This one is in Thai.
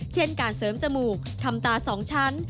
เช่นการเสริมจมูกทำตา๒ชั้น